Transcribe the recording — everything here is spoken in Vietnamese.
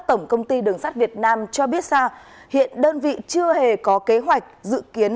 tổng công ty đường sắt việt nam cho biết xa hiện đơn vị chưa hề có kế hoạch dự kiến